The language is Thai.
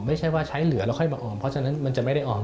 ไม่ใช่ว่าใช้เหลือแล้วค่อยมาออมเพราะฉะนั้นมันจะไม่ได้ออม